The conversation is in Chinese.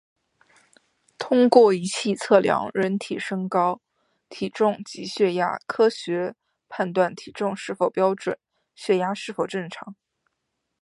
通过仪器测量人体身高、体重及血压，科学判断体重是否标准、血压是否正常